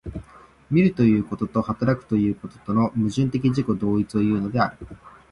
見るということと働くということとの矛盾的自己同一をいうのである。